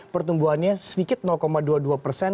pertumbuhannya sedikit dua puluh dua persen